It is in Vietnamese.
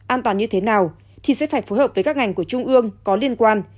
an toàn như thế nào thì sẽ phải phối hợp với các ngành của trung ương có liên quan